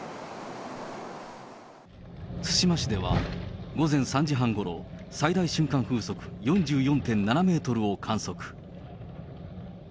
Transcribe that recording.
対馬市では、午前３時半ごろ、最大瞬間風速４４．７メートルを観測。